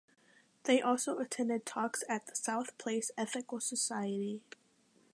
They also attended talks at the South Place Ethical Society.